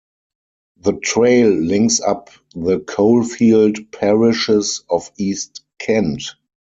The trail links up the coalfield parishes of East Kent.